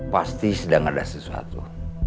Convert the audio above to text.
pasti sedang ada sesuatu